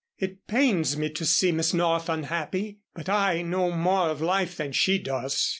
"It pains me to see Miss North unhappy, but I know more of life than she does.